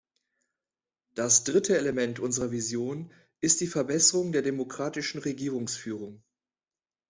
Das dritte Element unserer Vision ist die Verbesserung der demokratischen Regierungsführung.